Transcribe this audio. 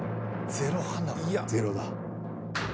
ゼロだ。